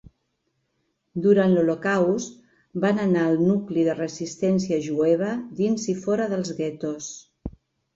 Durant l'Holocaust, van anar el nucli de resistència jueva dins i fora dels guetos.